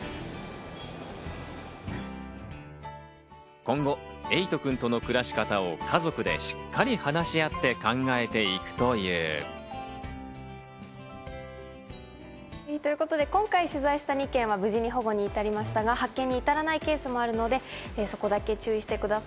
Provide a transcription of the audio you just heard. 今後、エイトくんとの暮らし方を家族でしっかり話し合って考えていくという。ということで、今回取材した２件は無事保護に至りましたが、発見に至らないケースもあるので、そこだけ注意してください。